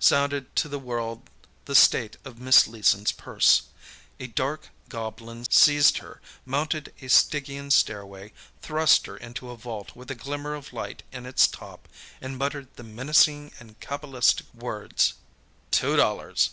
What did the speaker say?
sounded to the world the state of Miss Leeson's purse. A dark goblin seized her, mounted a Stygian stairway, thrust her into a vault with a glimmer of light in its top and muttered the menacing and cabalistic words "Two dollars!"